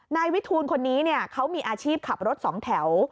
นายวิทูลคนนี้เขามีอาชีพขับรถสองแถว